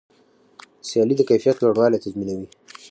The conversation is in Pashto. سیالي د کیفیت لوړوالی تضمینوي.